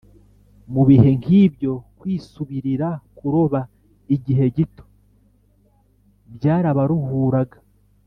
mu bihe nk’ibyo, kwisubirira kuroba igihe gito byarabaruhuraga